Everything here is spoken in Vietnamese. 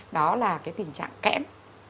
đó là cái tình trạng kém